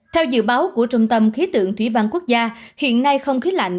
theo dự báo của trung tâm khí tượng thủy văn quốc gia hiện nay không khí lạnh